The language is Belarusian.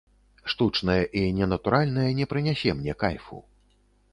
Штучнае і ненатуральнае не прынясе мне кайфу.